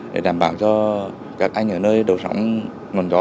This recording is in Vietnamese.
để đảm bảo cho các anh ở nơi đầu sóng ngọn gió